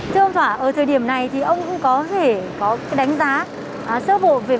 thưa ông thỏa ở thời điểm này thì ông cũng có thể có cái đánh giá sơ bộ về vai trò và trách nhiệm của các doanh nghiệp này